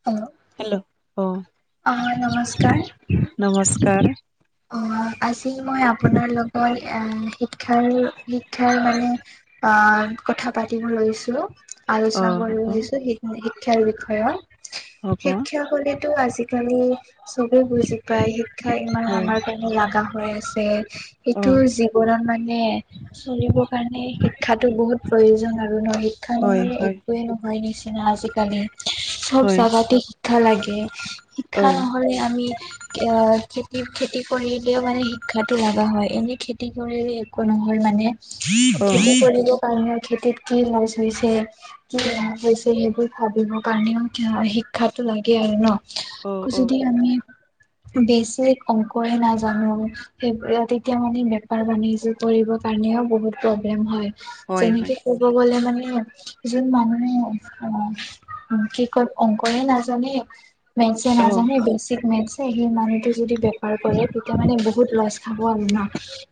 [unintelligible] আহ হেল্ল' অ আহ নমস্কাৰ। কাৰ। অ আজি মই আপোনাৰ লগত। এ শিক্ষাৰ শিক্ষাৰ মানে আহ কথা পাতিব লৈছো। অ আলোচনা কৰিব হ'ব আহিছো শিক্ষাৰ বিষয়ত হ'ব শিক্ষা হলে- টো আজিকালি চবে বুজি পায়। শিক্ষা ইমান হয় আমাৰ- লগা হৈ আছে অ সেইটো জীৱনত মানে- নে চলিবৰ কাৰণে শিক্ষা বহুত প্ৰয়োজন আৰু ন। শিক্ষা হয় নহলে হয় একোৱে নহয় নিচিনা আজিকালি চব হয় জাগাতে শিক্ষা লাগে। অ শিক্ষা নহলে আমি খেতিৰ খেতি- খেতি কৰিলেও মানে শিক্ষাটো লগা হয় এনে খেতি কৰিলে একো নহয়। মানে অ খেতি অ কৰিব কাৰণে খেতিত কি লজ হৈছে কি লভ হৈছে সেইবোৰ ভাবিব কাৰণেও শিক্ষাতো লাগে আৰু ন অ যদি আমি বেছি ক কৈ নাজানো সেই তেতিয়া মানে বেপাৰ বাণিজ্য কৰিবৰ কাৰণেও বহুত প্ৰব্লেম হয়। হয় হয় যেনেকে ক'ব গ'লে মানে। যোন মানুহে অ কি কয় অংকৰে নাজানে- মে অ নাজানে বেচিক মে সেই মানুহটো যদি বেপাৰ কৰে তেতিয়া মানে ব [unintelligible] খাব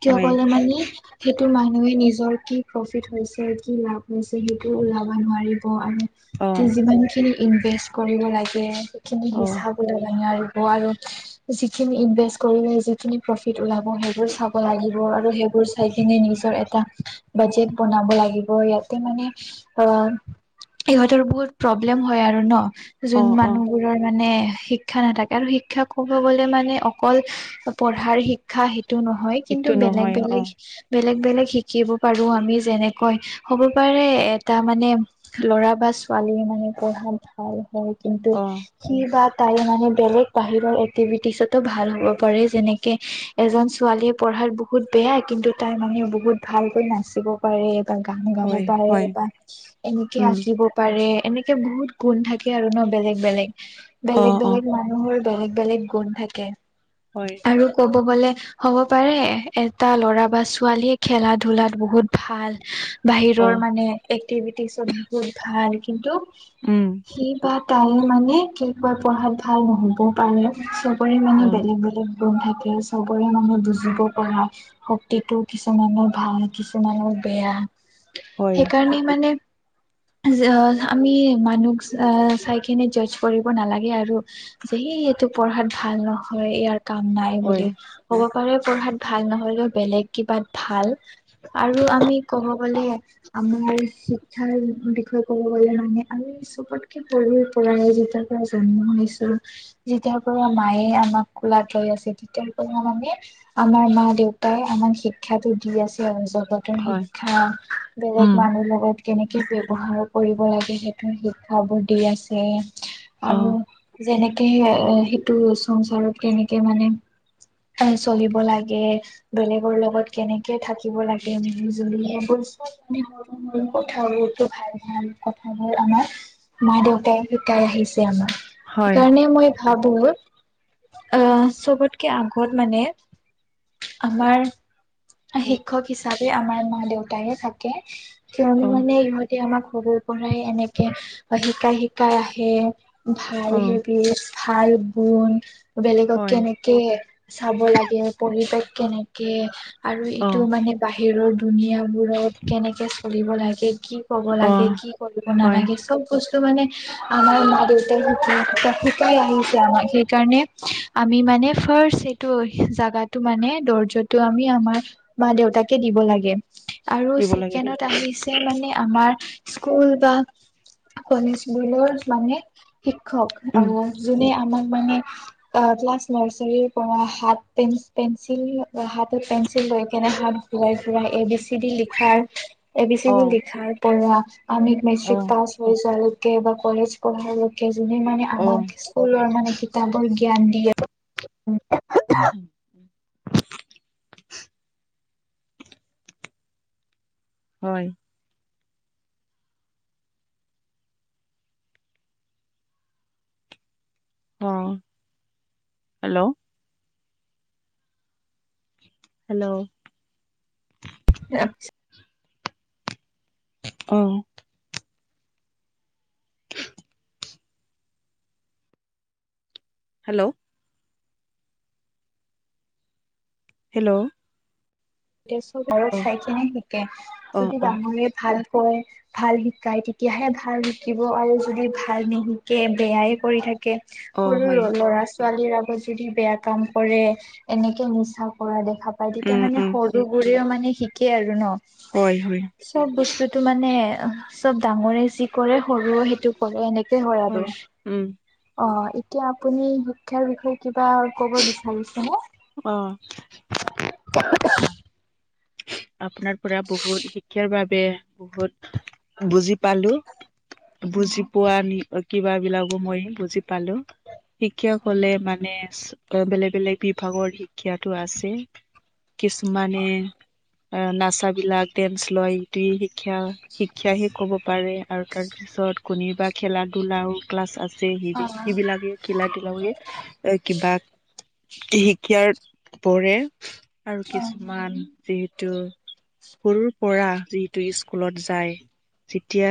কিয় হয় কলে মানে সেইটো মানুহে নিজৰ কি প্ৰফিট হৈছে কি লাভ হৈছে। সেইটো ওলাব নোৱাৰিব অ আৰু যিমান খিনি ইনভেষ্ট কৰিব লাগে সেইখিনি অ হিচাব লব আৰু যিখিনি যিখিন প্ৰফিট লাব সেইবোৰ চাব লাগিব আৰু সেইবোৰ চাই কিনে নিজৰ এটা। বাজেট বনাব লাগিব ইয়াতে মানে অ ইহঁতৰ বহুত প্ৰব্লেম হয় আৰু ন অ যোন অ মানুহবোৰৰ মানে শিক্ষা নাথাকে আৰু শিক্ষা ক'ব গলে মানে অকল পঢ়াৰ শিক্ষা সেইটো নহয় সেইটো কিন্তু নহয় বেলেগ অ বেলেগ বেলেগ বেলেগ শিকিব পাৰো আমি যেনেকৈ হ'ব পাৰে এটা মানে ল'ৰা বা ছোৱালী মানে পঢ়াত ভাল হয়। কিন্তু অ সি বা তাই মানে বেলেগ বাহিৰৰ এক্টিভিটিছতো ভাল [unintelligible] ভাল হ'ব পাৰে যেনেকে এজন ছোৱালীয়ে পঢ়াত বহুত বেয়া কিন্তু তাই মানুেও বহুত ভাল- নাচিব পাৰে বা গান গাব হয় পাৰে হয় বা এনেকে উম আঁকিব পাৰে। এনেকে বহুত গুণ থাকে আৰু ন বেলেগ বেলেগ অ বেলেগ অ বেলেগ মানুহৰ বেলেগ বেলেগ গুণ থাকে হয় আৰু ক কবলে হ'ব পাৰে এটা ল'ৰা বা ছোৱালীয়ে খেলা ধূলাত বহুত ভাল অ বাহিৰৰ মানে এক্টিভিটিছত বহুত ভাল কিন্তু উম সি বাত তাই মানে কি কয় পঢ়াত ভাল নহব পাৰে চবৰে অ বেলেগে বেলেগে গুণ থাকে চবৰে মানে বুজিব পৰা শক্তিটো কিছুমানে ভাল কিছুমানৰ বেয়া হয় সেইকাৰণে মানে যে আমি মানুহ আহ চাই কিনে জজ কৰিব নালাগে আৰু যে সি পঢ়াত ভাল নহয় ইয়াৰ কাম নাই হয় বুলি হ'ব পঢ়াত ভাল নহলেও বেলেগ কিবাত ভাল আৰু আমি কব গলে আমাৰ শিক্ষাৰ বিষয়ে ক'ব গলে মানে আমি চবতকে সৰুৰ পৰাই যেতিয়াৰ পৰা জন্ম হৈছো যেতিয়াৰ পৰা মায়ে আমাক কোলাত লৈ আছে তেতিয়াৰ পৰা মানে আমাৰ মা দেউতাই আমাক শিক্ষাটো দি আছে। জতৰ হয় শিক্ষা বেলেগ উম মানুহ লগত কেনেকে ব্যৱহাৰ কৰিব লাগে সেইটো শিক্ষাবোৰ দি আছে অ আৰু যেনেকে এ সেইটো চচাৰত কেনেকে মানে চলিব লাগে বেলেগৰ লগত কেনেকে থাকি থাকিব লাগে মিলি জুলিয়ে মান সৰু সৰু কথাবোৰতো ভাল ভাল কথাবোৰ আমাৰ মা দেউতাই শিকাই আহিছে আমাৰ হয় সেইকাৰণে মই ভাবো আহ চবতকে আগত মানে আমাৰ শিক্ষক হিচাপে আমাৰ মা দেউতায়ে থাকে অ কিয়নো মানে ইহঁতে আমাক সৰুৰ পৰাই এনেকে শিকাই শিকাই আহে ভাল অ সি ভাল বন বেলেগক হয় কেনেকে চাব লাগে পৰিৱেশ কেনেকে আৰু অ ইটো মানে বাহিৰত ধুনীয়াাবোৰত কেনেকে চলিব লাগে কি ক'ব অ লাগে কি কৰিব হয় নালাগে চব বস্তু তো মানে আমাৰ মা দেউতাই শিক শিকাই আহিছে আমাক সেইকাৰণে আমি মানে ফাৰ্ষ্ট সেইটো জাগাটো মানে দৰ্জাটো আমি আমাৰ মা দেউতা তাকে দিব লাগে আৰু দিব লাগে ছেকেণ্ডত আহিছে মানে আমাৰ স্কুল বা কলেজ বোলৰ মানে শিক্ষক উম আ যোনে আমাক মানে ক্লাছ নাৰ্চাৰি পৰা হাত পেন পেঞ্চিল হাতত পেঞ্চিল লৈ কেনে ফুৰাই ফুৰা A B C C D লিখাৰ এ বি চি অ ডি লিখাৰ পৰা আমিক অ মেট্ৰিক পাছ হৈ যোৱাৰ বা কলেজ পঢ়াৰ লৈকে যোনে মানে অ আমাক স্কুলৰ মানে কিতাপৰ জ্ঞান দিয়ে [unintelligible] হয়। অ হেল্ল' হেল্ল' [unintelligible] অ হেল্ল' হেল্ল' তেতিয়া চব ঘৰত চাই খিনি শিকে অ', যদি অ', ডাঙৰে ভাল কয় ভাল শিকায় তেতিয়াহে ভাল শিকিব আৰু যদি ভাল নিশিকে বেয়াই কৰি থাকে অ', সৰু হয়, ল'ৰা ছোৱালীৰ আগত যদি বেয়া কাম কৰে এনেকে মুচা কৰা দেখ দেখা পাই তেতিয়া উম, মানে উম, সৰু বোৰেও মানে শিকে আৰু ন হয়, হয়। চব বস্তুটো মানে চব ডাঙৰে যি কৰে সৰুে সেইটো কৰে এনেকে হয় আৰু অ এতিয়া আপুনি শিক্ষাৰ বিষয়ে কি কি বা ক'ব বিচাৰিছে মোক অ আপোনাৰ পৰা বহুত শিক্ষাৰ বাবে বহুত বুজি পালো বুজি পোৱা নি কিবা বিলাকো মই বুজি পালো শিক্ষা কলে মানে বেলেগ বেলেগ বিভাগৰ শিক্ষাটো আছে কিছুমানে অ নাচা বিলাক ডেন্স লয় টি শিক্ষা শিক্ষা হে কব পাৰে আৰু তাৰ পিছত কণি বা খেলা ধূলাও ক্লাছ আছে যে স সেই অ বিলাকে খিলা লাকে এ কিবা শিকিয়াত পৰে আৰু কিছুমান যিহে সৰুৰ পৰা যিটো স্কুলত যায় যেতিয়া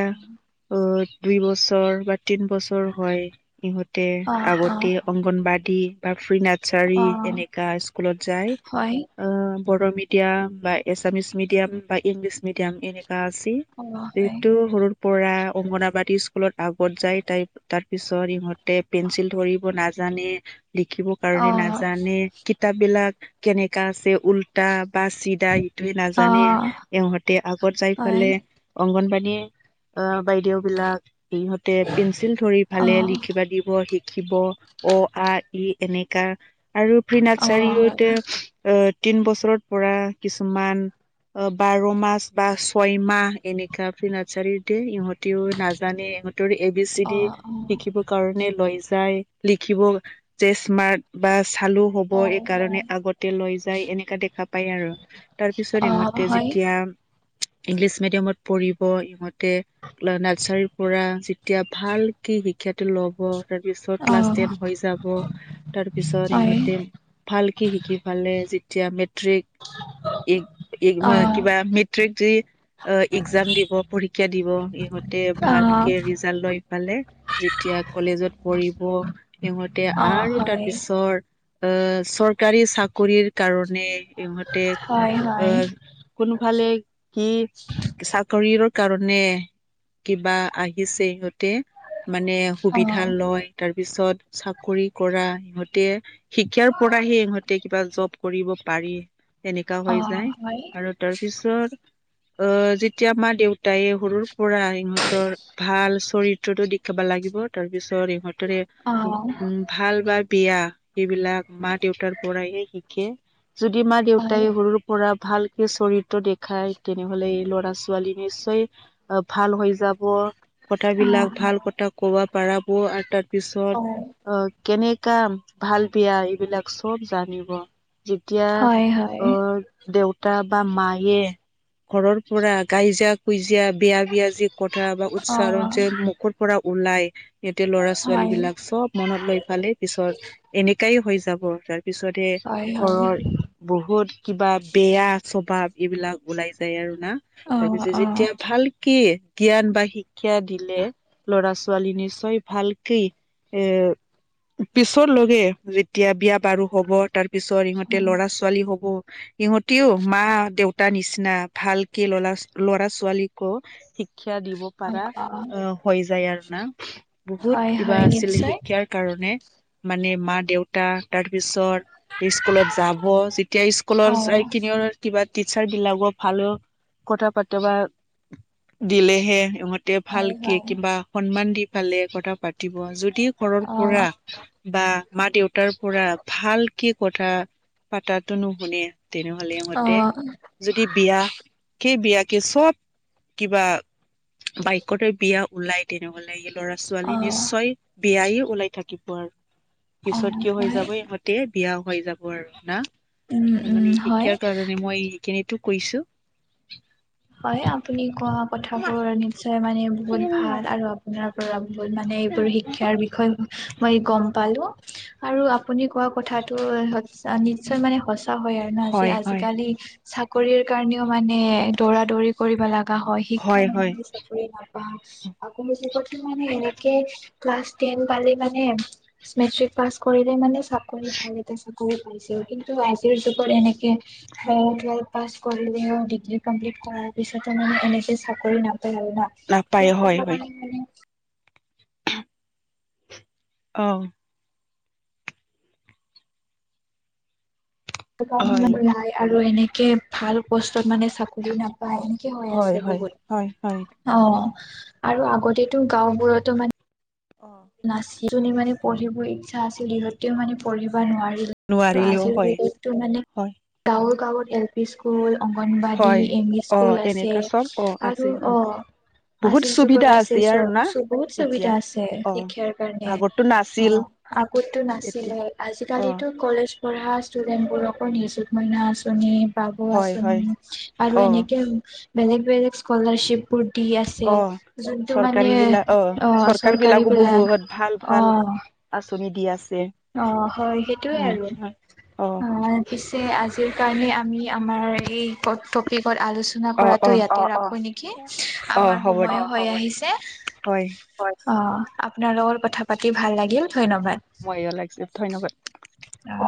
অ দুই বছৰ বা তিন বছৰ হয় ইহঁত অ আগতে অ অংগনবাদী বা ফ্ৰী নাৰ্চাৰী অ এনেকা স্কুলত যায় হয় বড়ো মিডিয়াম বা এছামিছ মিডিয়াম বা ইংলিছ মিডিয়াম এনেক আ অ হয় যিহেতু সৰুৰ পৰা অংগনাবাদী স্কুলত আগত যাই তাই তাৰ পিছত ইহঁতে পেঞ্চিল ধৰিব নাজানে লিখিব অ কাৰণে নাজানে কিতাপ বিলাক কেনেকা আছে উল্টা বা য়া ইটোৱে অ নাজানে ইহতে আগত যাই হয় পালে অংগনবাদী আ বাইদেউ বিলাক ইহঁতে পেঞ্চিল ধৰি অ ভালে লিখিবা দিব হি খিব অ আ ই এনেকা আৰু প্ৰি অ হয় নাৰ্চাৰীওতে আ তিন বছৰ পৰা কিছুমান বাৰ মাহ বা ছয় মাহ এনেকা নাৰ্চাৰী দে ইহঁতেও নাজানে ইহঁতৰ এ বি চি অ ডি শিকিবৰ কাৰণে লৈ যায় লিখিব যে স্মাৰ্ট বা চালো হ'ব এইকাৰণে আগতে লৈ যায় এনেকা দেখা পায় আৰু তাৰ পিছত অ ইহঁতে হয় হয় যেতিয়া ইংলিছ মিডিয়ামত পঢ়িব ইহঁতে নাৰ্চাৰিৰ পৰা এতিয়া ভাল কি শিক্ষাটো ল'ব তাৰপিছত অ ক্লাছ টেন হৈ যাব তাৰ পিছত সিহঁতে হয় ভালক শিকি পালে যেতিয়া মেট্ৰিক অ কিবা মেট্ৰিক দি অ এক্জাম দিব পৰীক্ষা দিব। হয় অ ভালকে ৰিজাল্ট লৈ পালে যেতিয়া কলেজত পঢ়িব। সিহঁতে অ অ আৰু তাৰ হয় পিছত অ চৰকাৰী চাকৰিৰ কাৰণে। ইহঁতে হয় হয় আহ কোনোফালে কি চাকৰি। কাৰণে কিবা আহিছে ইহঁতি [unintelligible] মানে অ সুবিধা লয় তাৰ [unintelligible] ত পিছত চাকৰি কৰা ইহঁতে শিক্ষাৰ পৰাহে ইহঁতে কিবা জব কৰিব পাৰে এনেকা অ হৈ যায় হয় আৰু তাৰপিছত [unintelligible] অ যেতিয়া মা দেউতায়ে সৰুৰ পৰা সিহঁতৰ ভাল চৰিত্ৰটো দেখাব লাগে [unintelligible] ইহতৰে অ ভাল [unintelligible] বিয়া সেইবিলাক মা দেউতাৰ পৰাহে শিকে যদি ত হয় তাই সৰুৰ পৰা ভালকে চৰিত্ৰ দেখাই তেনেহলে এই ল'ৰা ছোৱালী নিশ্চয় ভাল হৈ যাব অ কথাবিলাক ভাল কথা কব পাৰাব আৰু তাৰ পিছত হয় আহ [unintelligible] কেনেকা ভাল বিয়া এইবিলাক চব জানিব যেতিয়া হয় হয় অ দেউতা বা মায়ে ঘৰৰ পৰা গাই যা কুইজা [unintelligible] যেয়া বিয়া বিয়া যি কথা বা অ উচ্চাৰণ যে মুখৰ পৰা ওলাই [unintelligible] ইহঁতে ল'ৰা ছোৱালী হয় বিলাক চব মনত লৈ পালে পিছত এনেকাই হৈ যাব ত পিছতহে হয় হয় ঘৰৰ বহুত কিবা বেয়া অভাৱ এইবিলাক ওলাই যায় আৰু না অ অ তাৰপিছত অ যেতিয়া ভালকে [unintelligible] জ্ঞান বা শিক্ষা দিলে ল'ৰা ছোৱালী নিশ্চয় ভালকেই এ পিছৰ লগে যেতিয়া বিয়া বাৰু হব তাৰিছ পিছত ইহতে ল'ৰা ছোৱালী হব সিহঁতিও মা দেউতা নিচিনা ভালকে লৰা ল'ৰা ছোৱালীকো। শিক্ষা দিব পাৰা অ হৈ যায় আৰু না। বহুত হয় কিবা হয় আছিল নিশ্চয় শিক্ষাৰ কাৰণে। মানে মা দেউতা তাৰ পিছত স্কুলত যাব। যেতিয়া স্কুলৰ অ যাই কিনও কিবা টিচাৰ বিলাকক। ভালে কথা পাতে বা। দিলেহে ইহঁতে হয় ভালকে হয় কিবা সন্মান দি পালে কথা পাতিব যদি ঘৰত। অ পৰা বা মা দেউতাৰ পৰা ভাল। কি কথা পাতাটো নুশুনে। তেনেহলে অ মতে যদি বিয়া সেই বিয়া। চব কিবা বাইকতে বিয়া ওলাই তেনেকুৱা লাগিল। লৰা ছোৱালী অ নিশ্চয় বিয়ায়ে ওলাই থাকিব আৰু অ', পিছত কিয় হৈ হয়, যাব ইহঁতে। বিয়া হৈ যাব আৰু না উম, ত উম, মানে হয়। শিক্ষাৰ কাৰণে মই। কেন্ত কৈছো। হয় আপুনি কোৱা কথাবোৰ নিশ্চয় মানে বহুত ভাল হয় আৰু আপোনাৰ পৰা বহুত। মানে এইবোৰ শিক্ষাৰ বিষয়ে মই গম পালো আৰু আপুনি কোৱা কথাটো নিশ্চয় মানে সঁচা হয় আৰু ন যে হয় আজিকালি। চাকৰিৰ কাৰণেও মানে দৌৰা দৌৰি কৰিব লগা হয় শিক্ষা নহ চাকৰি কাৰ। আকৌ মই য ক মানে এনেকে ক্লােন প মানে্ৰ। ছ কৰিলে মানে চব কৰি ভাল ল চব [unintelligible] পাইছে কিন্তু আজিৰ যুগত এনেকে টুৱেলভ পাছ কৰিলেও ডিগ্ৰী। পিছ মানে এনেকে চ নাপায় আৰু নাপায় হয় ন হয় মান। অঁ। হয় কাৰণেই আৰু এনেকে ভাল বু। ত মানে চাকৰি নাপায় এনেকে হৈ হয় আছে হয় হয় হয় বহুত অ। আৰু আগতেতো গাঁওবোৰতো মানে। অ নাছিল য মানে পঢ়িব ইচ্ছা আছিল সিহঁতেও মানে পঢ়িব নোৱাৰিল। নোৱাৰিলেও হয় আজিৰটো মানে হয় গাঁৱৰ গাঁৱত এল পি স্কুল অংগনবাদী হয় এম ই অ স্কুল আছে এনেকা চব অ আৰু আছে উম অ বহুত আজিৰ যুগত সুবিধা আছে আৰু না চ বহুত সুবিধা এতিয়া আছে অ শিক্ষাৰ কাৰণে আগতো নাছিল অ আগতো এতিয়া নাছিলে অ আজিকালিতো কলেজ পঢ়া ষ্টুডেন্টবোৰক নিজোত মইনা আচনি। পাব হয় আচোন হয় আৰু অ এনেকে বেলেগ বেলেগ স্কলাৰশ্বিপ। দি আছে অ যোনটো মানে চৰকাৰী বিলাক অ চৰকাৰ চৰকাৰী। বিলাকো বিলাক অ তুমি দি আছে। অ হয় সেইটোৱে উম আৰু হয়। অ পিছে আজিৰ। কাৰণে আমি আমাৰ এই কপিক। ওপৰত আলোচনা অ অ কৰাতটো ইয়াতে ৰাখো নেকি অ আমাৰ হ'ব দে সময়ো হৈ আহিছে। হয় অ আপোনাৰ লগৰ কথা পাতি ভাল লাগিল ধন্যবাদ। মইও ধন্যবাদ। অ